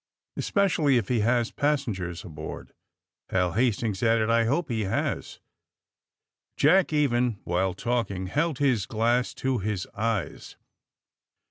*' Especially if he has passengers aboard," Hal Hastings added. I hope he has." Jack, even while talking, held his glass to his eyes.